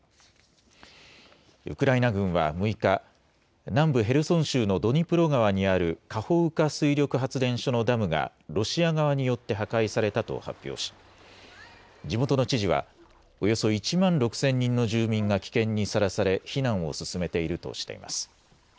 ウクライナ軍は６日、南部ヘルソン州のドニプロ川にあるカホウカ水力発電所のダムがロシア側によって破壊されたと発表し地元の知事はおよそ１万６０００人の住民が危険にさらされ避難を進めているとしています。